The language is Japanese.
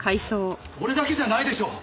俺だけじゃないでしょ。